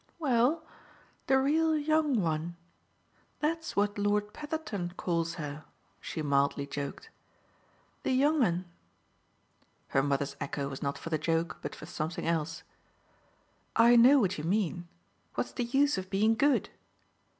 "Well, the real young one. That's what Lord Petherton calls her," she mildly joked "'the young 'un'" Her mother's echo was not for the joke, but for something else. "I know what you mean. What's the use of being good?"